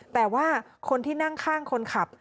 แต่ว่าคนที่นั่งข้างคนขับ